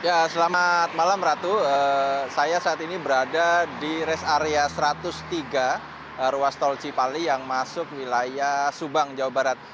ya selamat malam ratu saya saat ini berada di rest area satu ratus tiga ruas tol cipali yang masuk wilayah subang jawa barat